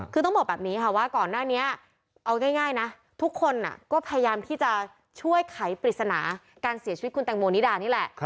คือต้องบอกแบบนี้ค่ะว่าก่อนหน้านี้เอาง่ายนะทุกคนก็พยายามที่จะช่วยไขปริศนาการเสียชีวิตคุณแตงโมนิดานี่แหละ